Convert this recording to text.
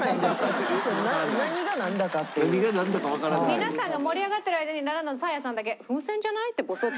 皆さんが盛り上がってる間にラランドのサーヤさんだけ「風船じゃない？」ってボソッと。